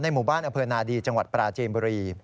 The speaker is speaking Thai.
ในหมู่บ้านอเผินาดีจังหวัดปราเจมส์บริ